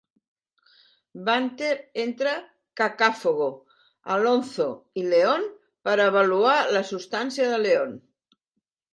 Banter entre Cacafogo, Alonzo i Leon per avaluar la substància de Leon.